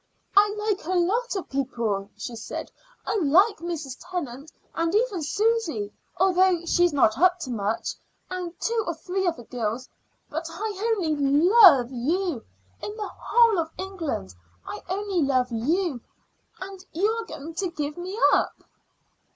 "I like a lot of people," she said "I like Mrs. Tennant, and even Susy, although she's not up to much, and two or three other girls but I only love you. In the whole of England I only love you, and you are going to give me up."